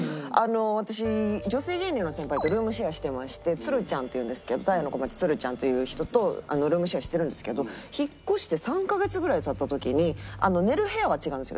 私女性芸人の先輩とルームシェアしてましてつるちゃんっていうんですけど太陽の小町つるちゃんという人とルームシェアしてるんですけど引っ越して３カ月ぐらい経った時に寝る部屋は違うんですよ。